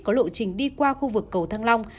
có lộ trình đi qua khu vực cầu thăng long